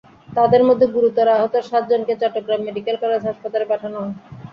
তাঁদের মধ্যে গুরুতর আহত সাতজনকে চট্টগ্রাম মেডিকেল কলেজ হাসপাতালে পাঠানো হয়।